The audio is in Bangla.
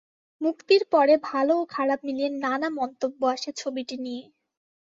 মুক্তির পরে ভালো ও খারাপ মিলিয়ে নানা মন্তব্য আসে ছবিটি নিয়ে।